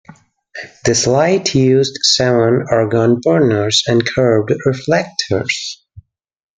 This light used seven Argand burners and curved reflectors.